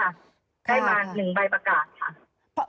ได้มา๑ใบประกาศค่ะ